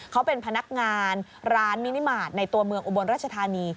เขาเป็นพนักงานร้านมินิมาตรในตัวเมืองอุบลราชธานี